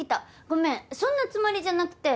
ごめんそんなつもりじゃなくて。